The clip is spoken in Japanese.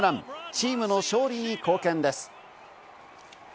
チームの勝利に貢献です。